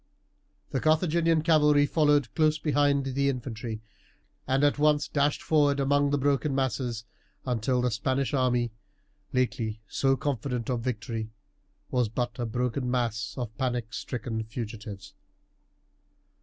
The Carthaginian cavalry followed close behind the infantry, and at once dashed forward among the broken masses, until the Spanish army, lately so confident of victory, was but a broken mass of panic stricken fugitives.